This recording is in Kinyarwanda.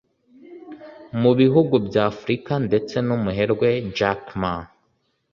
mubihugu bya Afurika ndetse n'umuherwe Jack Ma